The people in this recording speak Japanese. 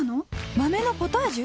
豆のポタージュ！？